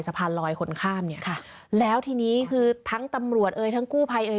สะพานลอยคนข้ามเนี่ยค่ะแล้วทีนี้คือทั้งตำรวจเอ่ยทั้งกู้ภัยเอ่ย